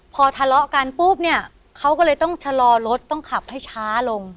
พอทะเลาะกันปุ๊บเนี่ยเขาก็เลยต้องชะลอรถต้องขับให้ช้าลง